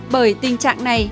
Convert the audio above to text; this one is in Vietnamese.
bởi tình trạng này